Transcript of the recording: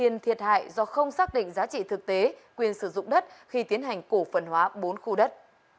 thiên hại do không xác định giá trị thực tế quyền sử dụng đất khi tiến hành cổ phần hóa bốn khu đất